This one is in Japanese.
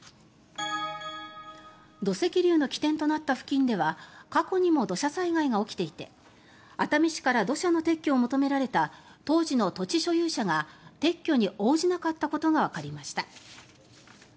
土石流の起点となった付近では過去にも土砂災害が起きていて熱海市から土砂の撤去を求められた当時の土地所有者が撤去に応じなかったことがわかりました。